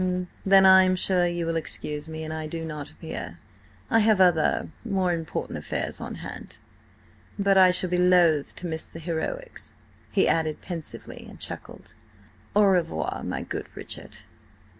"Then I am sure you will excuse me an I do not appear. I have other, more important affairs on hand. .... But I shall be loth to miss the heroics," he added pensively, and chuckled. "Au revoir, my good Richard!"